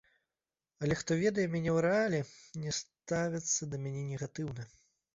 Але хто ведае мяне ў рэале, не ставяцца да мяне негатыўна.